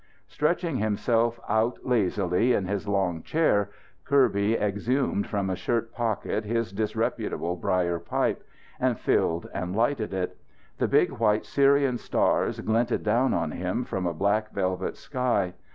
Stretching himself out lazily in his long chair, Kirby exhumed from a shirt pocket his disreputable brier pipe, and filled and lighted it. The big white Syrian stars glinted down on him from a black velvet sky.